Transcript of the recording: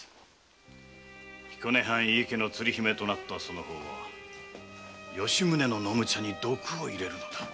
彦根藩井伊家の鶴姫となったその方は吉宗の飲む茶に毒を入れるのだ。